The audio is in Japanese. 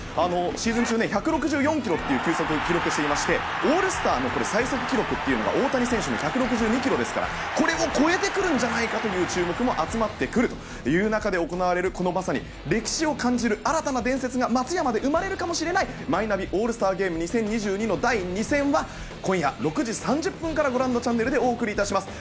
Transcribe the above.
シーズン中１６４キロという球速を切ろうしていましてオールスターの最速記録というのが大谷選手の１６２キロですからこれを超えてくるんじゃないかという注目も集まってくる中で行われるまさに歴史を感じる新たな伝説が松山で生まれるかもしれないマイナビオールスターゲーム２０２２の第２戦は今夜６時３０分からご覧のチャンネルでお送りいたします。